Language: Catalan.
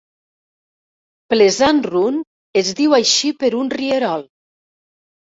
Pleasant Run es diu així per un rierol.